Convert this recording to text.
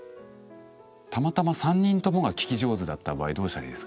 たまたま３人ともが聞き上手だった場合どうしたらいいですかね。